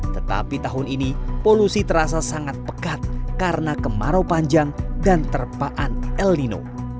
tetapi tahun ini polusi terasa sangat pekat karena kemarau panjang dan terpaan el nino